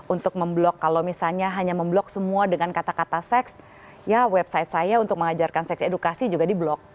untuk memblok kalau misalnya hanya memblok semua dengan kata kata seks ya website saya untuk mengajarkan seks edukasi juga di blok